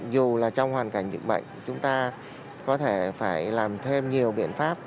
dù là trong hoàn cảnh dịch bệnh chúng ta có thể phải làm thêm nhiều biện pháp